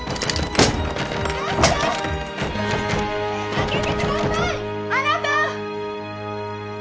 ・開けてくださいあなた！